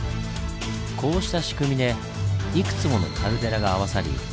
こうした仕組みでいくつものカルデラが合わさり